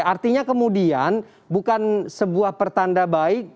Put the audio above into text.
artinya kemudian bukan sebuah pertanda baik